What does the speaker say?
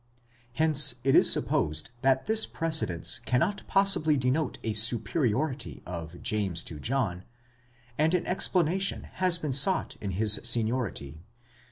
Hence it is supposed that this precedence cannot possibly denote a superiority of James to John, and an explanation has been sought in his seniority.